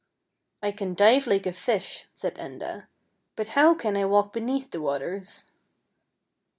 " I can dive like a fish," said Enda; " but how can I walk beneath the waters?